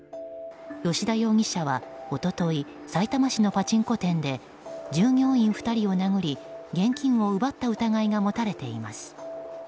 葭田容疑者は一昨日さいたま市のパチンコ店で従業員２人を殴り現金を奪った疑いが持たれています。